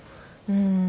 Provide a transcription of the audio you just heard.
うん。